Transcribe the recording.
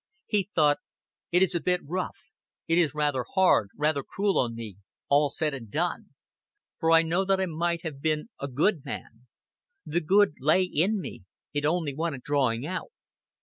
He thought: "It is a bit rough it is rather hard, rather cruel on me, all said and done. For I know that I might have bin a good man. The good lay in me it only wanted drawing out."